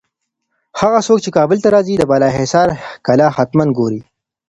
هغه څوک چي کابل ته راځي، د بالاحصار کلا حتماً ګوري.